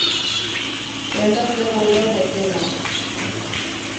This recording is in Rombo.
Enda se kulya unetrema.